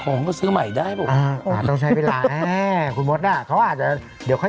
ของก็ซื้อใหม่ได้บอกอ่าต้องใช้เวลาอ่าคุณมดอ่ะเขาอาจจะ